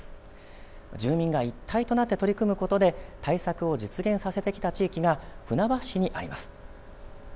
住民が一体となって取り組むことで対策を実現させてきた地域が船橋市にあります。